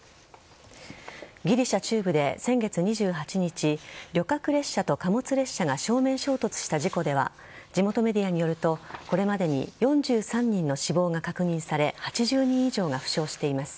ギリシャ中部で先月２８日旅客列車と貨物列車が正面衝突した事故では地元メディアによるとこれまでに４３人の死亡が確認され８０人以上が負傷しています。